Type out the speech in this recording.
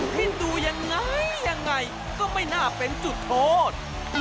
ให้ดูยังไงยังไงก็ไม่น่าเป็นจุดโทษ